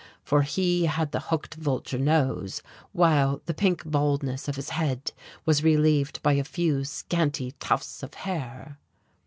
For he had the hooked vulture nose, while the pink baldness of his head was relieved by a few scanty tufts of hair.